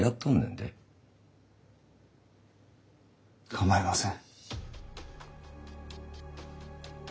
構いません。